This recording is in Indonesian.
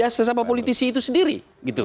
ya sesama politisi itu sendiri gitu